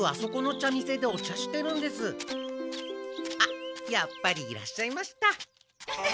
あっやっぱりいらっしゃいました。